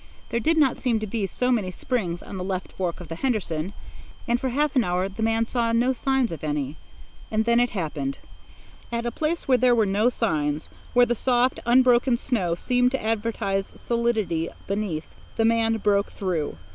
There did not seem to be so many springs on the left fork of the Henderson, and for half an hour the man saw no signs of any. And then it happened. At a place where there were no signs, where the soft, unbroken snow seemed to advertise solidity beneath, the man broke through.